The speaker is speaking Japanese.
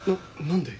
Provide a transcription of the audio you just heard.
何で？